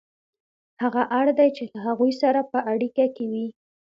هغه اړ دی چې له هغوی سره په اړیکه کې وي